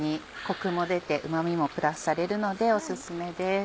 コクも出てうま味もプラスされるのでオススメです。